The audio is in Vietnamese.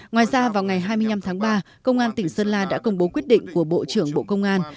ngoài ra vào ngày hai mươi năm tháng ba công an tỉnh sơn la đã công bố quyết định của bộ trưởng bộ công an